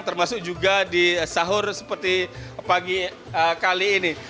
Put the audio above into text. termasuk juga di sahur seperti pagi kali ini